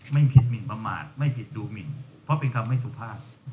ไม่ผิดหมินประมาทไม่ผิดดูหมินเพราะเป็นคำไม่สุภาพ